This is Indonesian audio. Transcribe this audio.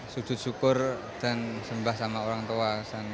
sudut syukur dan sembah sama orang tua